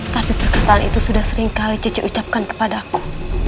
tapi perkataan itu sudah seringkali cice ucapkan kepadaku